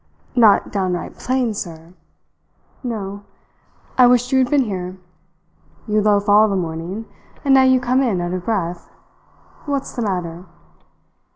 "Not downright plain, sir?" "No. I wished you had been here. You loaf all the morning, and now you come in out of breath. What's the matter?"